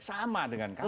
sama dengan kami